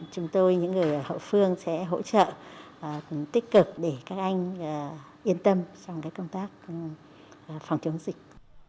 chúng tôi những người hậu phương sẽ hỗ trợ tích cực để các anh yên tâm trong công tác phòng chống dịch